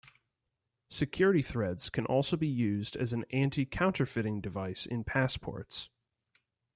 Security threads can also be used as an anti-counterfeiting device in passports.